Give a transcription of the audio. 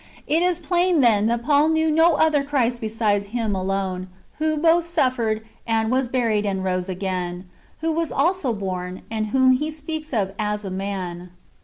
"""^ It is plain, then, that Paul knew no other Christ besides Him alone, who both suffered, and was buried, and rose again, who was also born, and whom he speaks of as man.